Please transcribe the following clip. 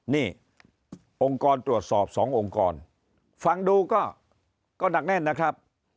นี่องค์กรตรวจสอบสององค์กรฟังดูก็หนักแน่นนะครับ